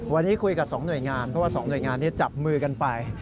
วันนี้คุยกับ๒หน่วยงานเพราะว่า๒หน่วยงานนี้จับมือกันไป